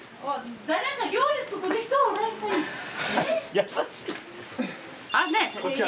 優しい。